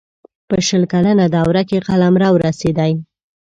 په شل کلنه دوره کې قلمرو رسېدی.